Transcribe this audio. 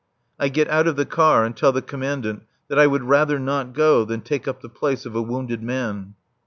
I get out of the car and tell the Commandant that I would rather not go than take up the place of a wounded man.